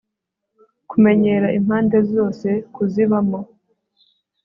Kumenyera impande zose kuzibamo